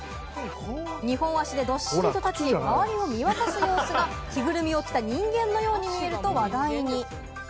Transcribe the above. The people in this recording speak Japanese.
２本足でどっしりと立ち、周りを見渡す様子が着ぐるみを着た人間のように見えると話題に。